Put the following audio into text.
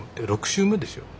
６週目ですよ。